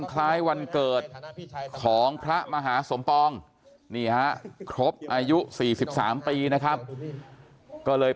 คล้ายวันเกิดของพระมหาสมปองนี่ฮะครบอายุ๔๓ปีนะครับก็เลย